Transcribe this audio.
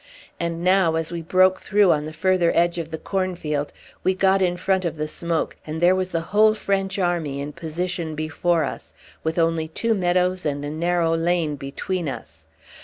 And now, as we broke through the further edge of the cornfield, we got in front of the smoke, and there was the whole French army in position before us, with only two meadows and a narrow lane between us.